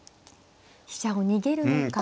飛車を逃げるのか。